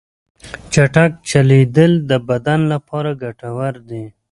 چټک چلیدل د بدن لپاره ګټور دي.